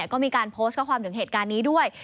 ก็มีการโพสต์ข้อความถึงเหตุการณ์นี้ด้วย